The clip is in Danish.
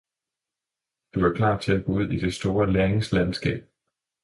Du er klar til at gå ud i det store læringslandskab